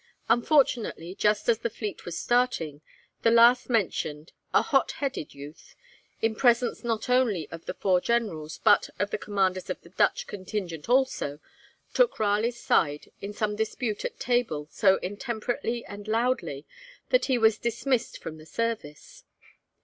Unfortunately, just as the fleet was starting, the last mentioned, 'a hot headed youth,' in presence not only of the four generals, but of the commanders of the Dutch contingent also, took Raleigh's side in some dispute at table so intemperately and loudly that he was dismissed from the service.